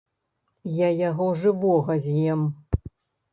Я яго жывога з'ем.